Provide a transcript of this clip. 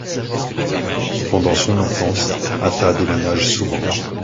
Pendant son enfance, Atha déménage souvent.